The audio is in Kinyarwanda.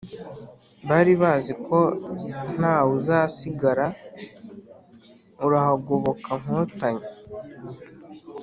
Baribaziko ntawuzasigara urahagoboka nkotanyi